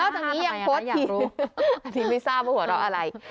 นอกจากนี้ยังโพสต์ที่อาทิตย์ไม่ทราบว่าหัวเราะอะไร